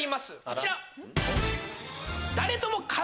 こちら。